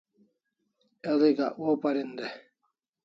El'i Gak waw parin dai